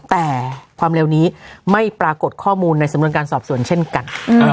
แต่ความเร็วนี้ไม่ปรากฏข้อมูลในสำนวนการสอบสวนเช่นกัน